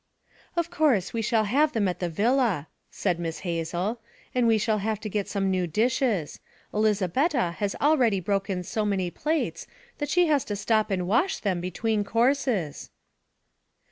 'Of course we shall have them at the villa,' said Miss Hazel. 'And we shall have to get some new dishes. Elizabetta has already broken so many plates that she has to stop and wash them between courses.'